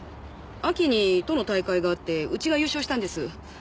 秋に都の大会があってうちが優勝したんです。